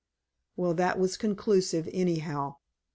Well, that was conclusive, anyhow.